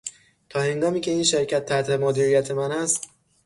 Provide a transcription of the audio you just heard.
تا هنگامی که این شرکت تحت مدیریت من است...